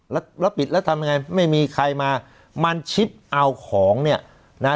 แล้วแล้วปิดแล้วทำยังไงไม่มีใครมามันชิดเอาของเนี่ยนะฮะ